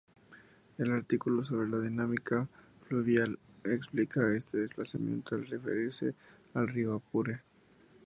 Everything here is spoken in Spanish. El artículo sobre dinámica fluvial explica este desplazamiento al referirse al río Apure.